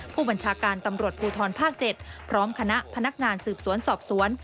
ผู้บัญชาการตำรวจภูทรภาค๗พร้อมคณะพนักงานสืบสวนสอบสวน